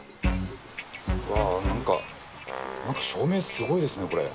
うわなんかなんか照明すごいですねこれ。